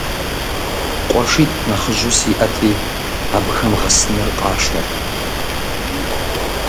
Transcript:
КъуэшитӀ нэхъыжьу сиӀэти, абыхэм гъэсыныр къашэрт.